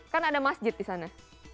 kan ada masjid di sana